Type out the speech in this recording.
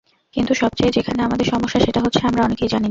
কিন্তু সবচেয়ে যেখানে আমাদের সমস্যা, সেটা হচ্ছে আমরা অনেকেই জানি না।